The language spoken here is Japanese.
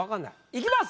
いきます。